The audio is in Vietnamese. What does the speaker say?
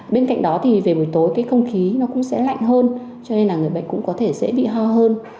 bên cạnh đó thì về buổi tối cái không khí nó cũng sẽ lạnh hơn cho nên là người bệnh cũng có thể dễ bị ho hơn